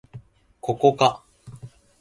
ここか